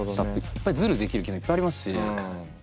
やっぱズルできる機能いっぱいありますし。